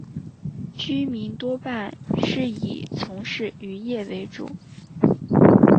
居民多半是以从事渔业为主。